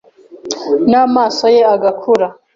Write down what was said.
na amaso ye agakura